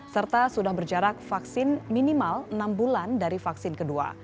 serta sudah berjarak vaksin minimal enam bulan dari vaksin kedua